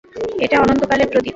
এটা অনন্তকালের প্রদীপ।